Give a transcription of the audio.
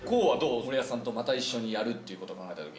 森保さんとまた一緒にやるってこと考えたときに。